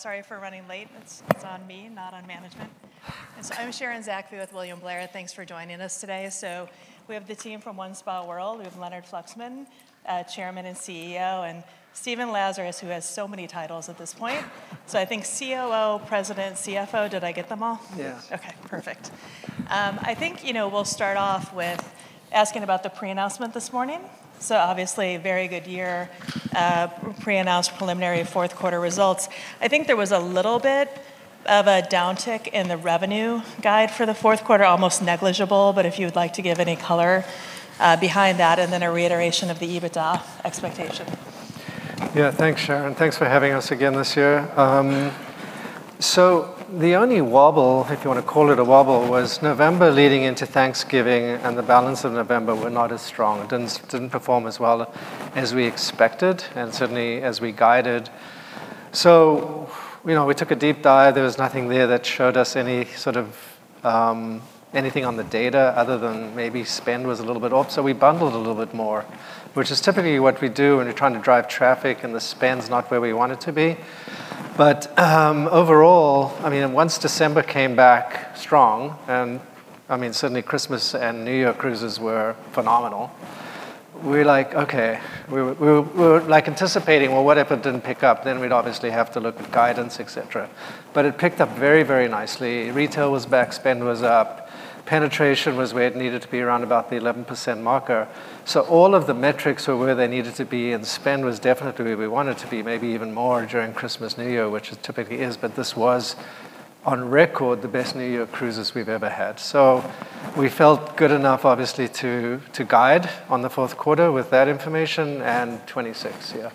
Sorry for running late. It's on me, not on management. I'm Sharon Zackfia with William Blair. Thanks for joining us today. So we have the team from OneSpaWorld. We have Leonard Fluxman, Chairman and CEO, and Stephen Lazarus, who has so many titles at this point. So I think COO, President, CFO, did I get them all? Yes. OK, perfect. I think we'll start off with asking about the pre-announcement this morning. So obviously, very good year. Pre-announced preliminary fourth quarter results. I think there was a little bit of a downtick in the revenue guide for the fourth quarter, almost negligible, but if you'd like to give any color behind that, and then a reiteration of the EBITDA expectation. Yeah, thanks, Sharon. Thanks for having us again this year. So the only wobble, if you want to call it a wobble, was November leading into Thanksgiving, and the balance of November were not as strong. It didn't perform as well as we expected, and certainly as we guided. So we took a deep dive. There was nothing there that showed us any sort of anything on the data other than maybe spend was a little bit up. So we bundled a little bit more, which is typically what we do when you're trying to drive traffic, and the spend's not where we want it to be. But overall, I mean, once December came back strong, and I mean, certainly Christmas and New Year cruises were phenomenal, we were like, OK. We were anticipating, well, what if it didn't pick up? Then we'd obviously have to look at guidance, et cetera. But it picked up very, very nicely. Retail was back. Spend was up. Penetration was where it needed to be, around about the 11% marker. So all of the metrics were where they needed to be, and spend was definitely where we wanted to be, maybe even more during Christmas, New Year, which it typically is. But this was, on record, the best New Year cruises we've ever had. So we felt good enough, obviously, to guide on the fourth quarter with that information and 2026, yeah.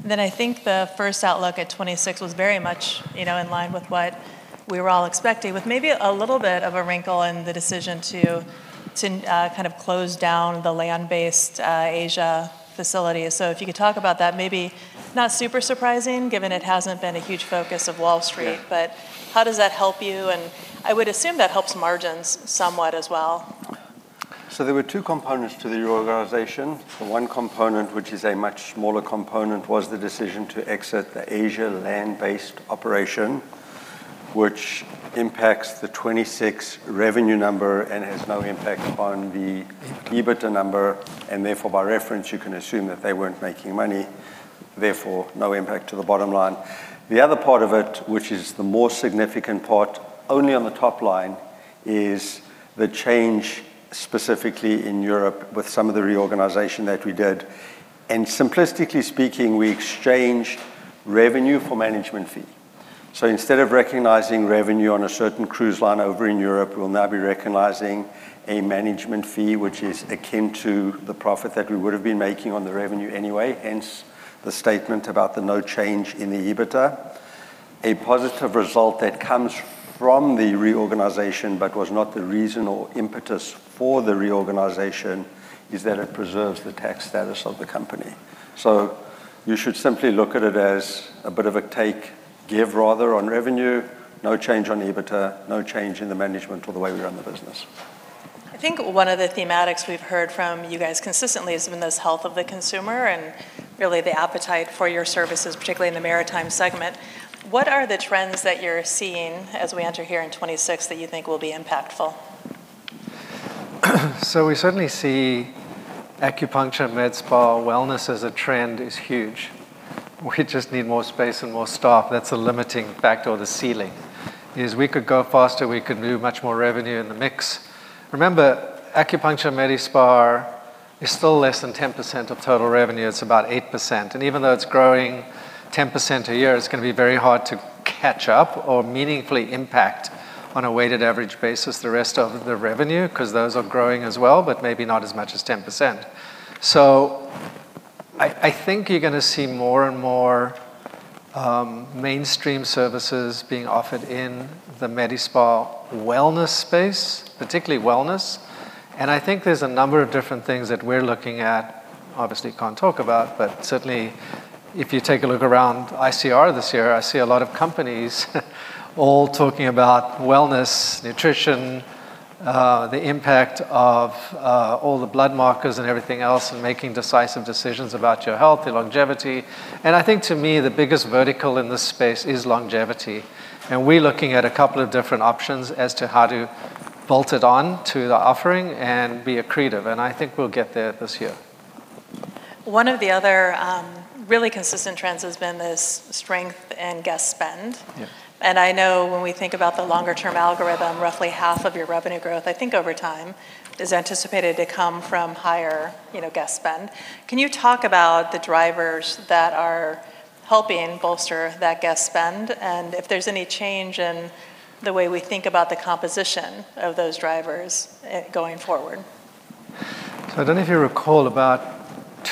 And then I think the first outlook at 2026 was very much in line with what we were all expecting, with maybe a little bit of a wrinkle in the decision to kind of close down the land-based Asia facility. So if you could talk about that. Maybe not super surprising, given it hasn't been a huge focus of Wall Street. But how does that help you? And I would assume that helps margins somewhat as well. So there were two components to the reorganization. One component, which is a much smaller component, was the decision to exit the Asia land-based operation, which impacts the 2026 revenue number and has no impact on the EBITDA number. And therefore, by reference, you can assume that they weren't making money. Therefore, no impact to the bottom line. The other part of it, which is the more significant part, only on the top line, is the change specifically in Europe with some of the reorganization that we did. And simplistically speaking, we exchanged revenue for management fee. So instead of recognizing revenue on a certain cruise line over in Europe, we'll now be recognizing a management fee, which is akin to the profit that we would have been making on the revenue anyway, hence the statement about the no change in the EBITDA. A positive result that comes from the reorganization but was not the reason or impetus for the reorganization is that it preserves the tax status of the company. So you should simply look at it as a bit of a take give, rather, on revenue, no change on EBITDA, no change in the management or the way we run the business. I think one of the thematics we've heard from you guys consistently has been this health of the consumer and really the appetite for your services, particularly in the maritime segment. What are the trends that you're seeing as we enter here in 2026 that you think will be impactful? So we certainly see acupuncture, med spa, wellness as a trend is huge. We just need more space and more staff. That's a limiting factor or the ceiling. We could go faster. We could do much more revenue in the mix. Remember, acupuncture, med spa is still less than 10% of total revenue. It's about 8%. And even though it's growing 10% a year, it's going to be very hard to catch up or meaningfully impact on a weighted average basis the rest of the revenue, because those are growing as well, but maybe not as much as 10%. So I think you're going to see more and more mainstream services being offered in the med spa wellness space, particularly wellness. And I think there's a number of different things that we're looking at. Obviously, can't talk about, but certainly, if you take a look around ICR this year, I see a lot of companies all talking about wellness, nutrition, the impact of all the blood markers and everything else, and making decisive decisions about your health, your longevity, and I think, to me, the biggest vertical in this space is longevity, and we're looking at a couple of different options as to how to bolt it on to the offering and be accretive, and I think we'll get there this year. One of the other really consistent trends has been this strength in guest spend, and I know when we think about the longer-term algorithm, roughly half of your revenue growth, I think over time, is anticipated to come from higher guest spend. Can you talk about the drivers that are helping bolster that guest spend, and if there's any change in the way we think about the composition of those drivers going forward? So I don't know if you recall, about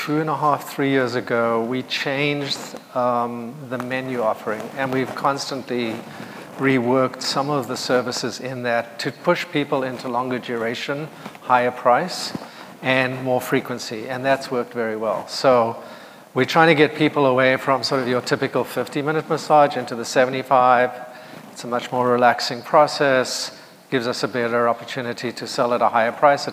two and a half, three years ago, we changed the menu offering. And we've constantly reworked some of the services in that to push people into longer duration, higher price, and more frequency. And that's worked very well. So we're trying to get people away from sort of your typical 50-minute massage into the 75. It's a much more relaxing process. It gives us a better opportunity to sell at a higher price,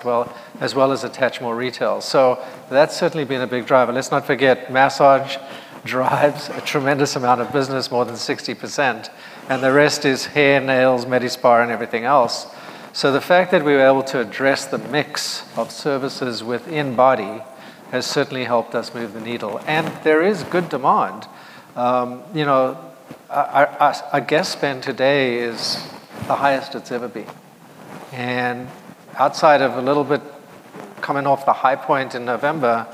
as well as attach more retail. So that's certainly been a big driver. Let's not forget, massage drives a tremendous amount of business, more than 60%. And the rest is hair, nails, med spa, and everything else. So the fact that we were able to address the mix of services within body has certainly helped us move the needle. And there is good demand. Our guest spend today is the highest it's ever been. And outside of a little bit coming off the high point in November,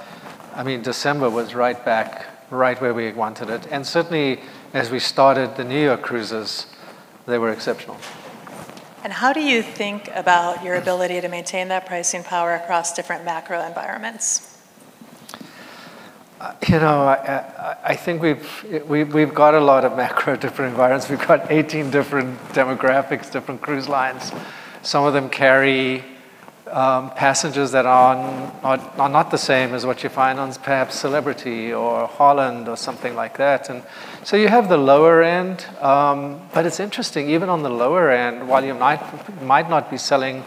I mean, December was right back, right where we wanted it. And certainly, as we started the New Year cruises, they were exceptional. How do you think about your ability to maintain that pricing power across different macro environments? You know, I think we've got a lot of macro different environments. We've got 18 different demographics, different cruise lines. Some of them carry passengers that are not the same as what you find on, perhaps, Celebrity or Holland or something like that. And so you have the lower end. But it's interesting, even on the lower end, while you might not be selling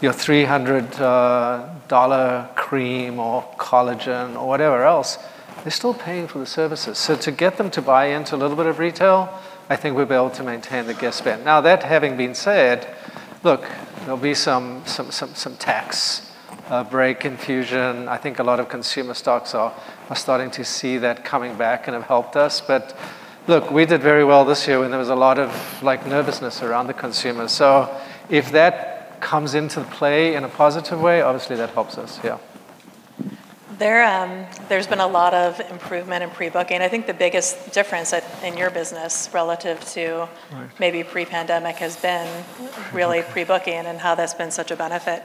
your $300 cream or collagen or whatever else, they're still paying for the services. So to get them to buy into a little bit of retail, I think we'll be able to maintain the guest spend. Now, that having been said, look, there'll be some tax break infusion. I think a lot of consumer stocks are starting to see that coming back and have helped us. But look, we did very well this year, and there was a lot of nervousness around the consumer. So if that comes into play in a positive way, obviously, that helps us, yeah. There's been a lot of improvement in pre-booking. I think the biggest difference in your business relative to maybe pre-pandemic has been really pre-booking and how that's been such a benefit.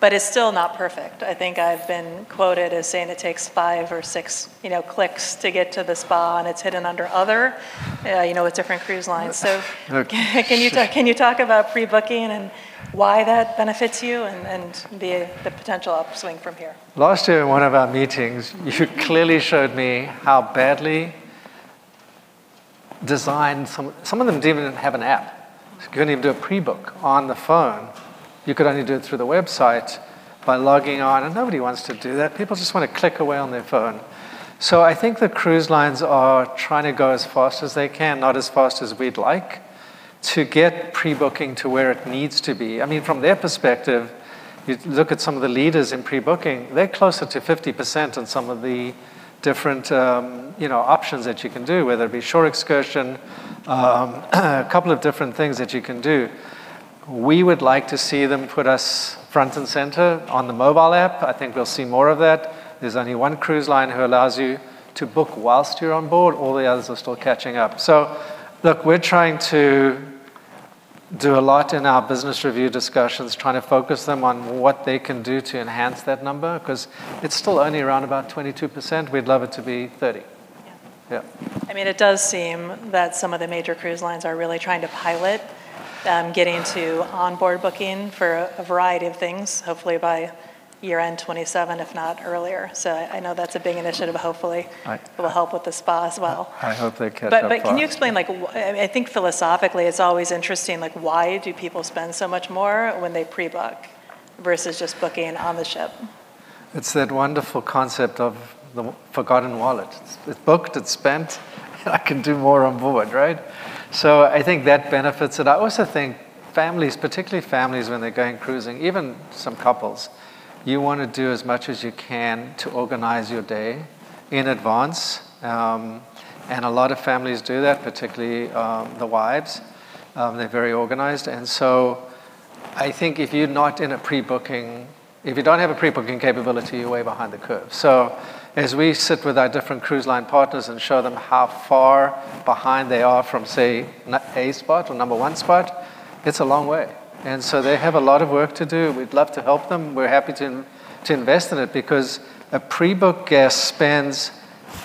But it's still not perfect. I think I've been quoted as saying it takes five or six clicks to get to the spa, and it's hidden under other different cruise lines. So can you talk about pre-booking and why that benefits you and the potential upswing from here? Last year, in one of our meetings, you clearly showed me how badly designed some of them didn't even have an app. You couldn't even do a pre-book on the phone. You could only do it through the website by logging on, and nobody wants to do that. People just want to click away on their phone, so I think the cruise lines are trying to go as fast as they can, not as fast as we'd like, to get pre-booking to where it needs to be. I mean, from their perspective, you look at some of the leaders in pre-booking. They're closer to 50% on some of the different options that you can do, whether it be shore excursion, a couple of different things that you can do. We would like to see them put us front and center on the mobile app. I think we'll see more of that. There's only one cruise line who allows you to book while you're on board. All the others are still catching up. So look, we're trying to do a lot in our business review discussions, trying to focus them on what they can do to enhance that number, because it's still only around about 22%. We'd love it to be 30%. Yeah. I mean, it does seem that some of the major cruise lines are really trying to pilot getting to onboard booking for a variety of things, hopefully by year-end 2027, if not earlier. So I know that's a big initiative, hopefully, that will help with the spa as well. I hope they catch up on that. But can you explain, I think philosophically, it's always interesting, why do people spend so much more when they pre-book versus just booking on the ship? It's that wonderful concept of the forgotten wallet. It's booked. It's spent. I can do more on board, right? So I think that benefits it. I also think families, particularly families, when they're going cruising, even some couples, you want to do as much as you can to organize your day in advance. And a lot of families do that, particularly the wives. They're very organized. And so I think if you're not into pre-booking, if you don't have a pre-booking capability, you're way behind the curve. So as we sit with our different cruise line partners and show them how far behind they are from, say, the top spot or number one spot, it's a long way. And so they have a lot of work to do. We'd love to help them. We're happy to invest in it, because a pre-booked guest spends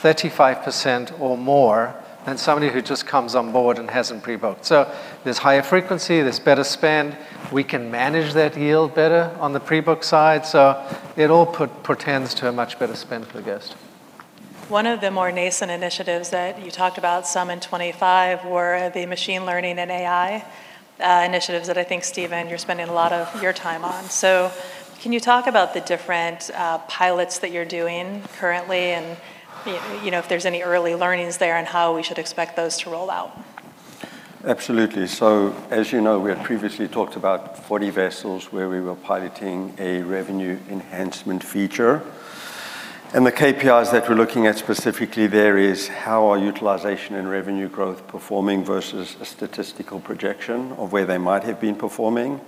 35% or more than somebody who just comes on board and hasn't pre-booked. So there's higher frequency. There's better spend. We can manage that yield better on the pre-book side. So it all pertains to a much better spend for the guest. One of the more nascent initiatives that you talked about, some in 2025, were the machine learning and AI initiatives that I think, Stephen, you're spending a lot of your time on. So can you talk about the different pilots that you're doing currently and if there's any early learnings there and how we should expect those to roll out? Absolutely, so as you know, we had previously talked about 40 vessels where we were piloting a revenue enhancement feature, and the KPIs that we're looking at specifically there is how our utilization and revenue growth performing versus a statistical projection of where they might have been performing,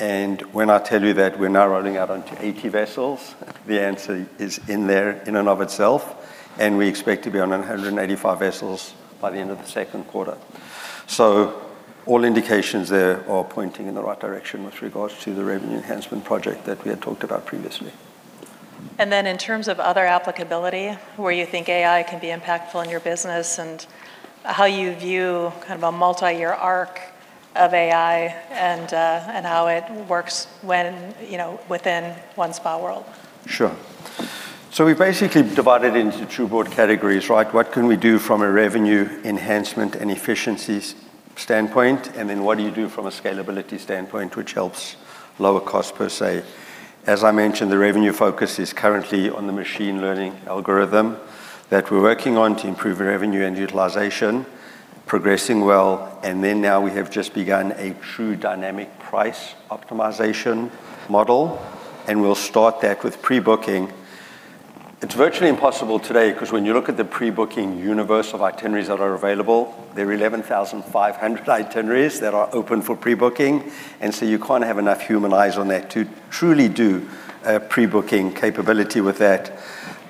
and when I tell you that we're now rolling out onto 80 vessels, the answer is in there in and of itself, and we expect to be on 185 vessels by the end of the second quarter, so all indications there are pointing in the right direction with regards to the revenue enhancement project that we had talked about previously. And then in terms of other applicability, where you think AI can be impactful in your business and how you view kind of a multi-year arc of AI and how it works within OneSpaWorld? Sure. So we basically divide it into two broad categories, right? What can we do from a revenue enhancement and efficiency standpoint? And then what do you do from a scalability standpoint, which helps lower cost per se? As I mentioned, the revenue focus is currently on the machine learning algorithm that we're working on to improve revenue and utilization, progressing well. And then now we have just begun a true dynamic price optimization model. And we'll start that with pre-booking. It's virtually impossible today, because when you look at the pre-booking universe of itineraries that are available, there are 11,500 itineraries that are open for pre-booking. And so you can't have enough human eyes on that to truly do a pre-booking capability with that.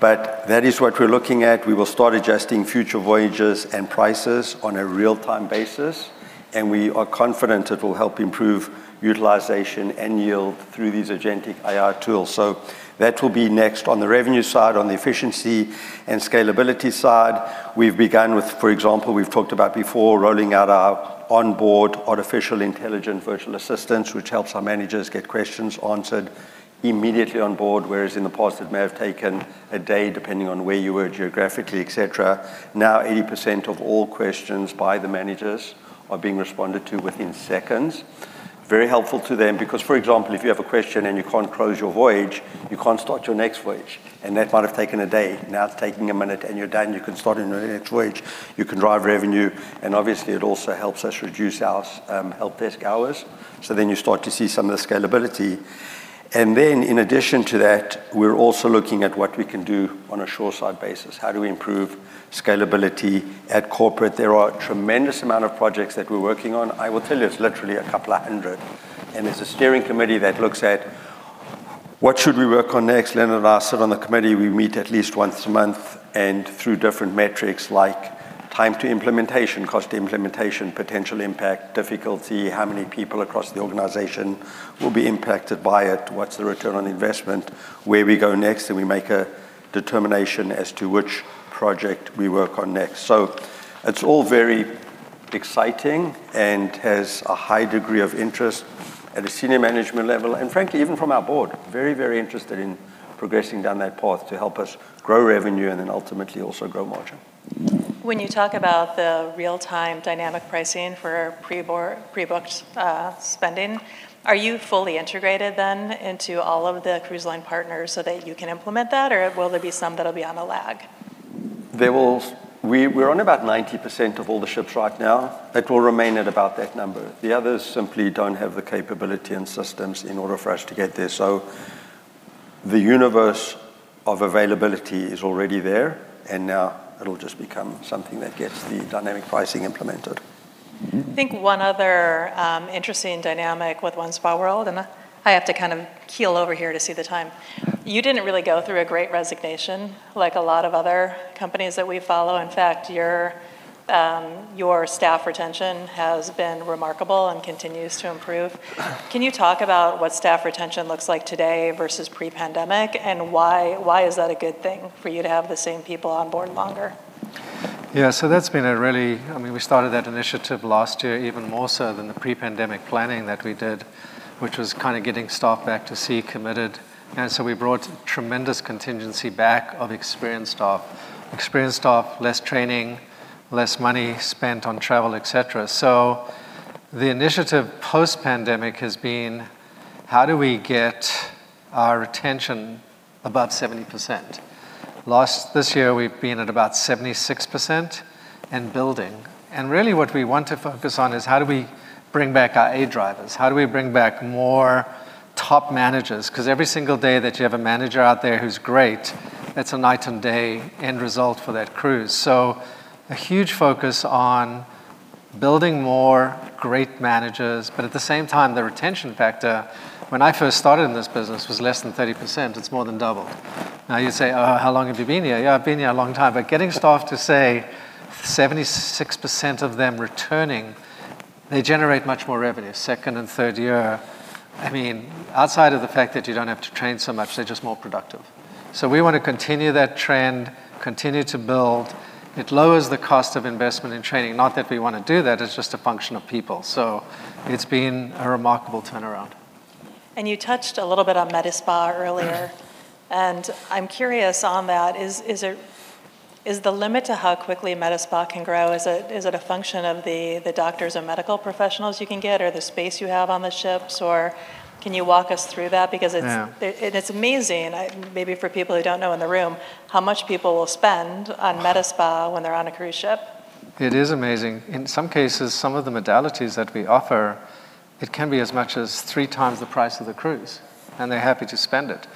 But that is what we're looking at. We will start adjusting future voyages and prices on a real-time basis. And we are confident it will help improve utilization and yield through these agentic AI tools. So that will be next. On the revenue side, on the efficiency and scalability side, we've begun with, for example, we've talked about before rolling out our onboard artificial intelligent virtual assistants, which helps our managers get questions answered immediately on board, whereas in the past, it may have taken a day, depending on where you were geographically, et cetera. Now 80% of all questions by the managers are being responded to within seconds. Very helpful to them, because, for example, if you have a question and you can't close your voyage, you can't start your next voyage. And that might have taken a day. Now it's taking a minute, and you're done. You can start on your next voyage. You can drive revenue. And obviously, it also helps us reduce our helpdesk hours. So then you start to see some of the scalability. And then in addition to that, we're also looking at what we can do on a shore side basis. How do we improve scalability at corporate? There are a tremendous amount of projects that we're working on. I will tell you, it's literally a couple of hundred. And there's a steering committee that looks at what should we work on next. Leonard and I sit on the committee. We meet at least once a month and through different metrics, like time to implementation, cost to implementation, potential impact, difficulty, how many people across the organization will be impacted by it, what's the return on investment, where we go next. And we make a determination as to which project we work on next. So it's all very exciting and has a high degree of interest at a senior management level. Frankly, even from our board, very, very interested in progressing down that path to help us grow revenue and then ultimately also grow margin. When you talk about the real-time dynamic pricing for pre-booked spending, are you fully integrated then into all of the cruise line partners so that you can implement that? Or will there be some that'll be on a lag? We're on about 90% of all the ships right now. It will remain at about that number. The others simply don't have the capability and systems in order for us to get there. So the universe of availability is already there. And now it'll just become something that gets the dynamic pricing implemented. I think one other interesting dynamic with OneSpaWorld, and I have to kind of lean over here to see the time. You didn't really go through a Great Resignation, like a lot of other companies that we follow. In fact, your staff retention has been remarkable and continues to improve. Can you talk about what staff retention looks like today versus pre-pandemic? And why is that a good thing for you to have the same people on board longer? Yeah. So that's been a really, I mean, we started that initiative last year even more so than the pre-pandemic planning that we did, which was kind of getting staff back to sea committed. And so we brought a tremendous contingent back of experienced staff, less training, less money spent on travel, et cetera. So the initiative post-pandemic has been, how do we get our retention above 70%? Last year, we've been at about 76% and building. And really, what we want to focus on is how do we bring back our A drivers? How do we bring back more top managers? Because every single day that you have a manager out there who's great, that's a night and day difference for that cruise. So a huge focus on building more great managers. But at the same time, the retention factor, when I first started in this business, was less than 30%. It's more than doubled. Now you'd say, oh, how long have you been here? Yeah, I've been here a long time. But getting staff to say 76% of them returning, they generate much more revenue second and third year. I mean, outside of the fact that you don't have to train so much, they're just more productive. So we want to continue that trend, continue to build. It lowers the cost of investment in training. Not that we want to do that. It's just a function of people. So it's been a remarkable turnaround. You touched a little bit on MediSpa earlier. I'm curious on that. Is the limit to how quickly MediSpa can grow, is it a function of the doctors and medical professionals you can get or the space you have on the ships? Or can you walk us through that? Because it's amazing, maybe for people who don't know in the room, how much people will spend on MediSpa when they're on a cruise ship. It is amazing. In some cases, some of the modalities that we offer, it can be as much as three times the price of the cruise, and they're happy to spend it.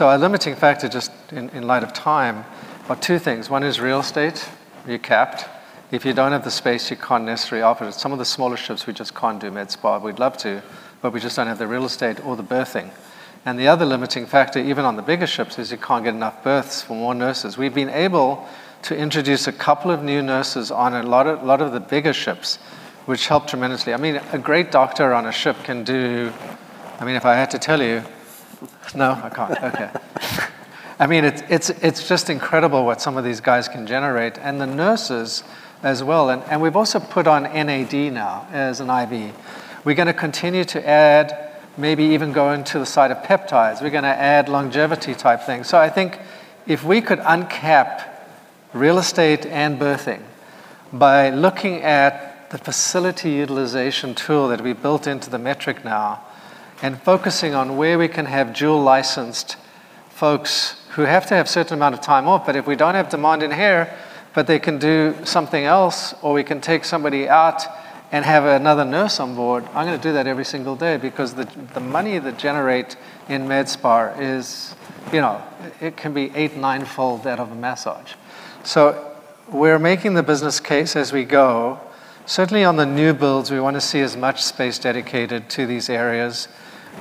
Our limiting factor, just in light of time, is two things. One is real estate, recapped. If you don't have the space, you can't necessarily offer it. Some of the smaller ships, we just can't do Medi-Spa. We'd love to, but we just don't have the real estate or the berthing, and the other limiting factor, even on the bigger ships, is you can't get enough berths for more nurses. We've been able to introduce a couple of new nurses on a lot of the bigger ships, which helped tremendously. I mean, a great doctor on a ship can do, I mean, if I had to tell you, no, I can't. OK. I mean, it's just incredible what some of these guys can generate. And the nurses as well. And we've also put on NAD now as an IV. We're going to continue to add, maybe even go into the side of peptides. We're going to add longevity type things. So I think if we could uncap real estate and berthing by looking at the facility utilization tool that we built into the metric now and focusing on where we can have dual-licensed folks who have to have a certain amount of time off. But if we don't have demand in here, but they can do something else, or we can take somebody out and have another nurse on board, I'm going to do that every single day, because the money that generate in Medi-Spa, it can be eight, nine-fold that of a massage. So we're making the business case as we go. Certainly, on the new builds, we want to see as much space dedicated to these areas.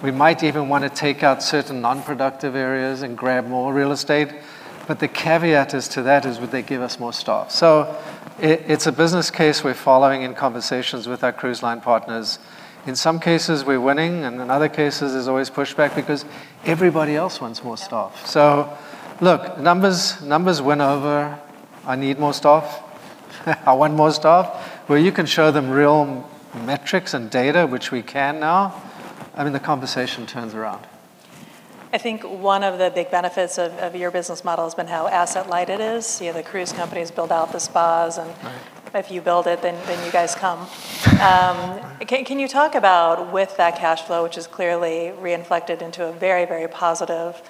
We might even want to take out certain non-productive areas and grab more real estate. But the caveat to that is, would they give us more staff? So it's a business case we're following in conversations with our cruise line partners. In some cases, we're winning. And in other cases, there's always pushback, because everybody else wants more staff. So look, numbers win over. I need more staff. I want more staff. Where you can show them real metrics and data, which we can now, I mean, the conversation turns around. I think one of the big benefits of your business model has been how asset-light it is. The cruise companies build out the spas. And if you build it, then you guys come. Can you talk about, with that cash flow, which has clearly reinflected into a very, very positive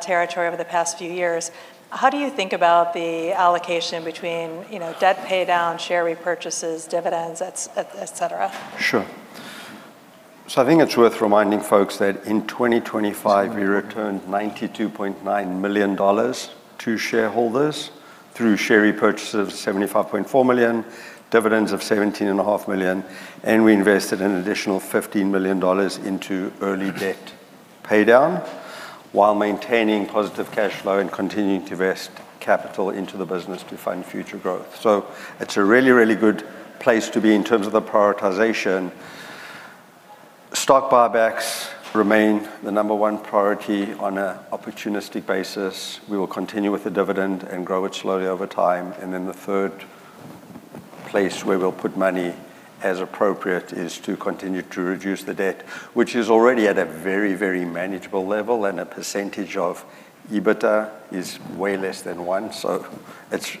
territory over the past few years, how do you think about the allocation between debt pay down, share repurchases, dividends, et cetera? Sure. So I think it's worth reminding folks that in 2025, we returned $92.9 million to shareholders through share repurchases of $75.4 million, dividends of $17.5 million, and we invested an additional $15 million into early debt pay down while maintaining positive cash flow and continuing to vest capital into the business to fund future growth, so it's a really, really good place to be in terms of the prioritization. Stock buybacks remain the number one priority on an opportunistic basis. We will continue with the dividend and grow it slowly over time, and then the third place where we'll put money as appropriate is to continue to reduce the debt, which is already at a very, very manageable level, and a percentage of EBITDA is way less than 1, so it's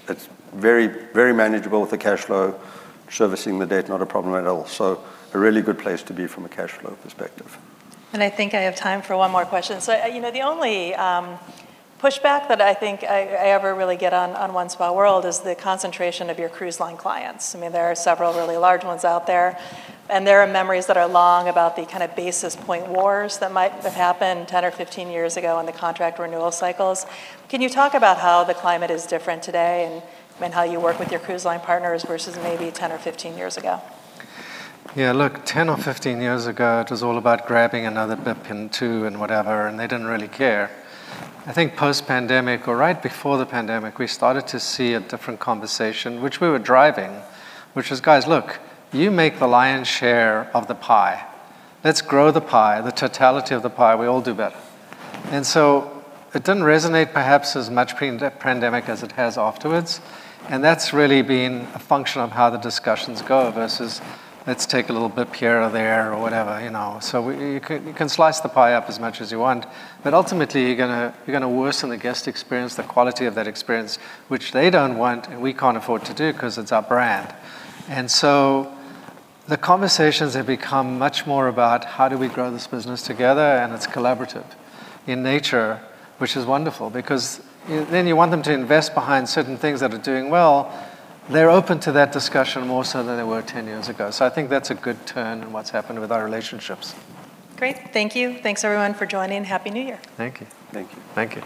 very, very manageable with the cash flow servicing the debt, not a problem at all. So a really good place to be from a cash flow perspective. And I think I have time for one more question. So the only pushback that I think I ever really get on OneSpaWorld is the concentration of your cruise line clients. I mean, there are several really large ones out there. And there are memories that are long about the kind of basis point wars that might have happened 10 or 15 years ago in the contract renewal cycles. Can you talk about how the climate is different today and how you work with your cruise line partners versus maybe 10 or 15 years ago? Yeah. Look, 10 or 15 years ago, it was all about grabbing another buck or two and whatever. And they didn't really care. I think post-pandemic or right before the pandemic, we started to see a different conversation, which we were driving, which was, guys, look, you make the lion's share of the pie. Let's grow the pie, the totality of the pie. We all do better. And so it didn't resonate, perhaps, as much pre-pandemic as it has afterwards. And that's really been a function of how the discussions go versus let's take a little bit here or there or whatever. So you can slice the pie up as much as you want. But ultimately, you're going to worsen the guest experience, the quality of that experience, which they don't want and we can't afford to do, because it's our brand. The conversations have become much more about how do we grow this business together and it's collaborative in nature, which is wonderful. Because then you want them to invest behind certain things that are doing well. They're open to that discussion more so than they were 10 years ago. I think that's a good turn in what's happened with our relationships. Great. Thank you. Thanks, everyone, for joining. Happy New Year. Thank you. Thank you. Thank you.